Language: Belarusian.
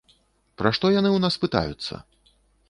Пра што яны ў нас пытаюцца?